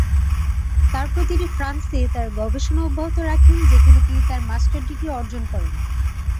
তারপর তিনি ফ্রান্সে তার গবেষণা অব্যাহত রাখেন, যেখানে তিনি তার মাস্টার ডিগ্রী অর্জন করেন।